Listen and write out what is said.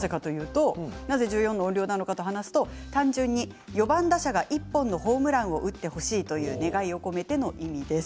なぜかというと単純に４番打者が１本のホームランを打ってほしいという願いを込めての意味です。